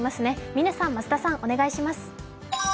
嶺さん、増田さん、お願いします。